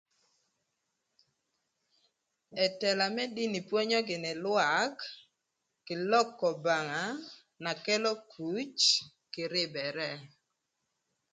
Ëtëla më dini pwonyo gïnï lwak kï lok k'Obanga na kelo kuc kï rïbërë.